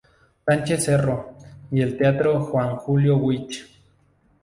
Sánchez Cerro y el teatro Juan Julio Witch.